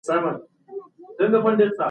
زه به سبا نوی تاریخي کتاب واخلم.